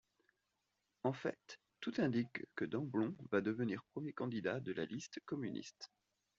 En fait, tout indique que Demblon va devenir premier candidat de la liste communiste.